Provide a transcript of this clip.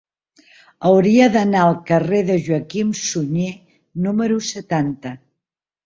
Hauria d'anar al carrer de Joaquim Sunyer número setanta.